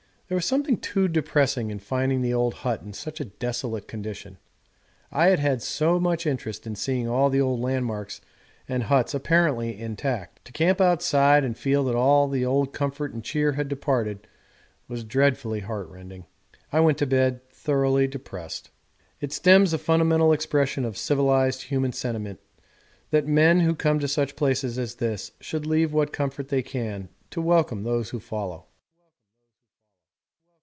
There was something too depressing in finding the old hut in such a desolate condition. I had had so much interest in seeing all the old landmarks and the huts apparently intact. To camp outside and feel that all the old comfort and cheer had departed, was dreadfully heartrending. I went to bed thoroughly depressed. It stems a fundamental expression of civilised human sentiment that men who come to such places as this should leave what comfort they can to welcome those who follow.